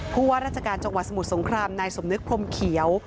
ผู้ว่าราชการจังหวัดสมุทรสงครามนายสมนึกพรมเขียว